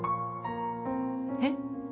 えっ？